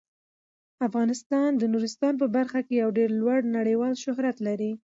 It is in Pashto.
افغانستان د نورستان په برخه کې یو ډیر لوړ نړیوال شهرت لري.